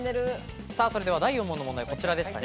それでは第４問の問題はこちらでした。